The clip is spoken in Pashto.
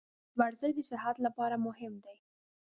ورزش د صحت لپاره مهم دی.